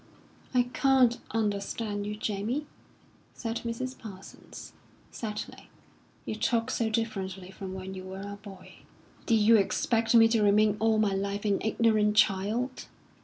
"I can't understand you, Jamie," said Mrs. Parsons, sadly. "You talk so differently from when you were a boy." "Did you expect me to remain all my life an ignorant child.